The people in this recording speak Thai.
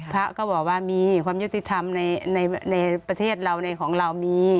พระก็บอกว่ามีความยุติธรรมในประเทศเราในของเรามี